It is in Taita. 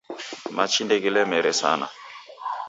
Machi ndeghilemere sana